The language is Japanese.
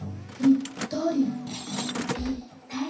「ぴったり」。